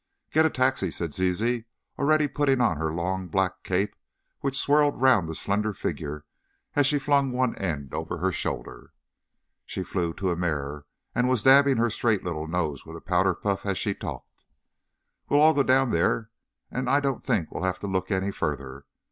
"Get a taxi," said Zizi, already putting on her long black cape, which swirled round the slender figure as she flung one end over her shoulder. She flew to a mirror, and was dabbing her straight little nose with a powder puff as she talked. "We'll all go down there, and I don't think we'll have to look any further.